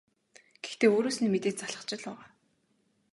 Гэхдээ өөрөөс нь мэдээж залхаж л байгаа.